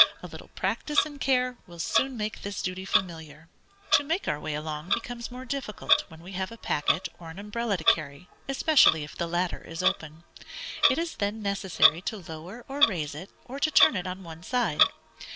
A little practice and care will soon make this duty familiar. To make our way along, becomes more difficult when we have a packet or an umbrella to carry, especially if the latter is open. It is then necessary to lower or raise it, or to turn it on one side.